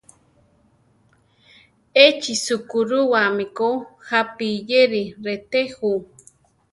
Échi sukúruwami ko japi iyéri reté jú.